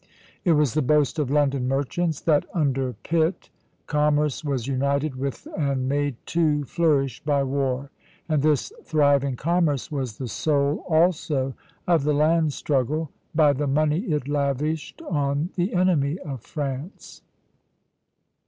It was the boast of London merchants that under Pitt commerce was united with and made to flourish by war; and this thriving commerce was the soul also of the land struggle, by the money it lavished on the enemy of France.